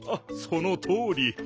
そのとおり。